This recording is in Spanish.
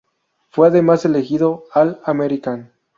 Fue además elegido All-American.